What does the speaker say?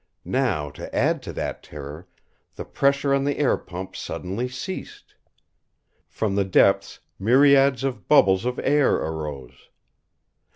Now, to add to that terror, the pressure on the air pump suddenly ceased. From the depths myriads of bubbles of air arose.